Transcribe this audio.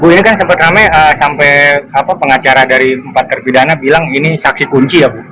bu ini kan sempat rame sampai pengacara dari empat terpidana bilang ini saksi kunci ya bu